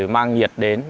mang nhiệt đến